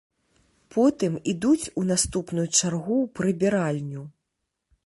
Потым ідуць у наступную чаргу ў прыбіральню.